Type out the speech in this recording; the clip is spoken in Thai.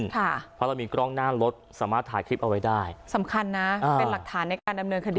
เพราะเรามีกล้องหน้ารถสามารถถ่ายคลิปเอาไว้ได้สำคัญนะเป็นหลักฐานในการดำเนินคดี